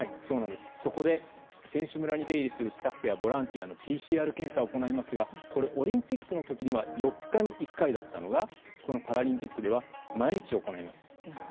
そこで、選手村に出入りするスタッフやボランティアのＰＣＲ検査を行いますがこれ、オリンピックの時には４日に１回だったのがこのパラリンピックでは毎日行います。